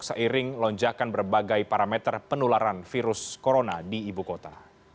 seiring lonjakan berbagai parameter penularan virus corona di ibu kota